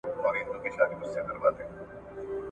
بیا د ده پر ځای د بل حریص نوبت وي ,